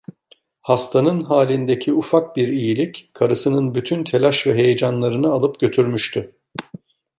Hastanın halindeki ufak bir iyilik karısının bütün telaş ve heyecanlarını alıp götürmüştü.